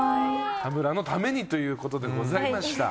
田村のためにということでございました。